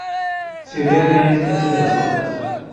Se ve a gran distancia de las costas.